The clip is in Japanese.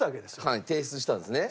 はい提出したんですね。